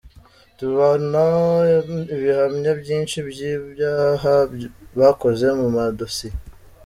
Tubona ibihamya byinshi by’ ibyaha bakoze mu madosiye’.